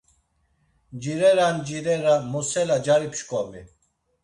Ncirera ncirera mosela cari pşǩomi.